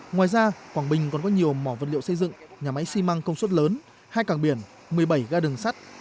ngoài ra quảng bình còn có nhiều mỏ vật liệu xây dựng nhà máy xi măng công suất lớn hai càng biển một mươi bảy ga đường sắt